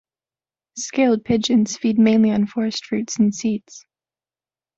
Scaled pigeons feed mainly on forest fruits and seeds.